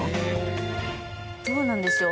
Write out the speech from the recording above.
どうなんでしょう？